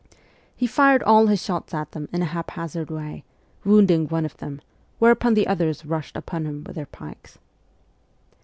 He fired all his shots at them in a haphazard way, wounding one of them, whereupon the others rushed upon him with their pikes.